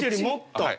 もっと。